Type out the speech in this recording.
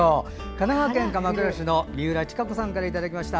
神奈川県鎌倉市の三浦親子さんからいただきました。